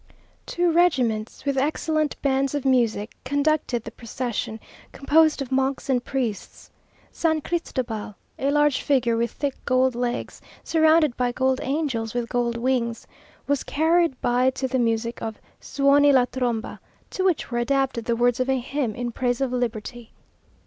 Two regiments, with excellent bands of music, conducted the procession, composed of monks and priests. San Cristobal, a large figure with thick gold legs, surrounded by gold angels with gold wings, was carried by to the music of "Suoni la tromba," to which were adapted the words of a hymn in praise of Liberty.